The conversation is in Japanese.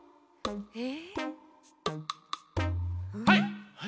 はい！